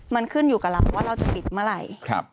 มันขึ้นอยู่กับเราว่าเราจะปิดเมื่อไหร่